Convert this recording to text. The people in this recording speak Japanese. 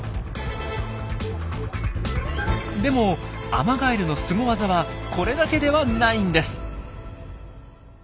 でもアマガエルのスゴワザはこれだけではないんです。